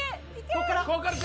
ここから！